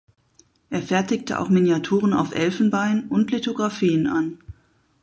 Er fertigte auch Miniaturen auf Elfenbein und Lithografien an.